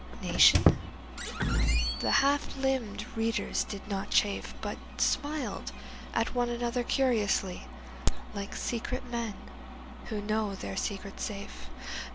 Nation? The half limbed readers did not chafe But smiled at one another curiously Like secret men who know their secret safe.